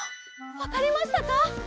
わかりましたか？